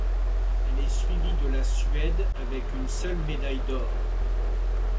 Elle est suivie de la Suède avec une seule médaille d'or.